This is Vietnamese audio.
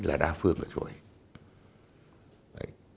là đa phương ở chỗ ấy